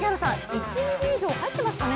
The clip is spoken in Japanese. １ｍｍ以上入ってますかね？